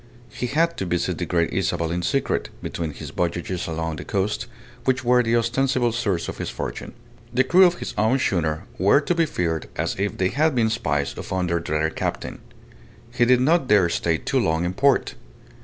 He had to visit the Great Isabel in secret, between his voyages along the coast, which were the ostensible source of his fortune. The crew of his own schooner were to be feared as if they had been spies upon their dreaded captain. He did not dare stay too long in port.